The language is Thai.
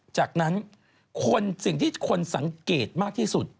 จากนั้นคนสิ่งที่คนสังเกตมากที่สุด